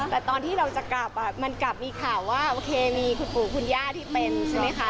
แต่ตอนที่เราจะกลับมันกลับมีข่าวว่าโอเคมีคุณปู่คุณย่าที่เป็นใช่ไหมคะ